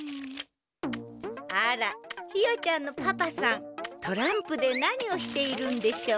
あらひよちゃんのパパさんトランプで何をしているんでしょう？